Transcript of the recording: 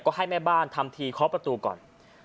ก็ให้แม่บ้านทำทีเคาะประตูก่อน